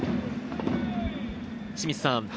清水さん